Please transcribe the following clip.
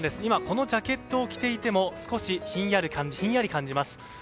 今このジャケットを着ていても少しひんやり感じます。